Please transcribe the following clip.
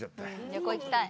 旅行行きたい。